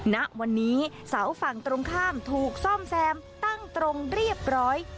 ณวันนี้เสาฝั่งตรงข้ามถูกซ่อมแซมตั้งตรงเรียบร้อย